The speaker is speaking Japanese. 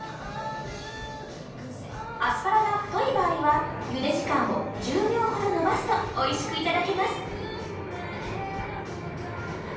アスパラが太い場合はゆで時間を１０秒ほど延ばすとおいしく頂けます。